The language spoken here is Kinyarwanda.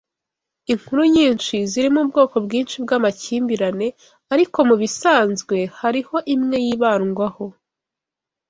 Inkuru nyinshi zirimo ubwoko bwinshi bwamakimbirane, ariko mubisanzwe hariho imwe yibandwaho